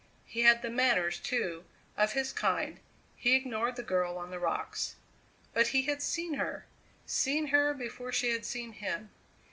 He had the manners, too, of his kind he ignored the girl on the rocks. But he had seen her; seen her before she had seen him.